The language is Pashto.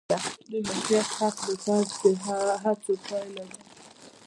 د مالکیت حق د فرد د هڅو پایله ده.